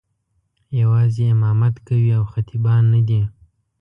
یوازې امامت کوي او خطیبان نه دي.